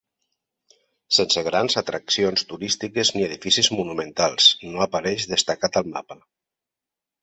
Sense grans atraccions turístiques ni edificis monumentals, no apareix destacat al mapa.